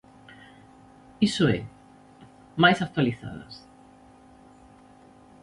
Iso é, mais actualizadas.